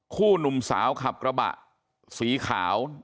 หนุ่มสาวขับกระบะสีขาว